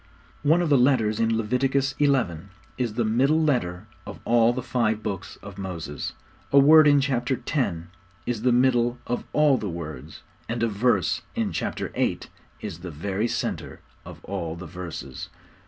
One of the letters in Leviticus xi. is the middle letter of all the five Books of Moses, a word in chapter x. is the middle of all the words, and a verse in chapter viii. is the very centre of all the verses.